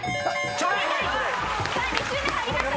２周目入りました